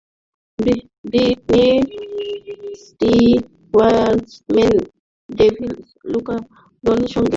Britney স্পিয়ার্সও মেন David লুকাডোর সঙ্গে হাওয়াইয়েই বিয়ে করবেন বলে ঠিক করেছেন।